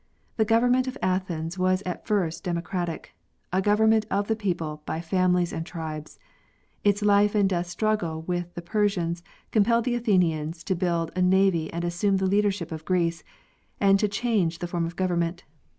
The government of Athens was at first democratic, a government of the people by families and tribes. Its life and death struggle with the Persians compelled the Athenians to build a navy and assume the leadership of Greece, and to change the form of government.